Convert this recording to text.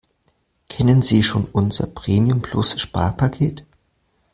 Kennen Sie schon unser Premium-Plus-Sparpaket?